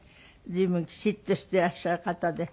随分きちっとしていらっしゃる方で。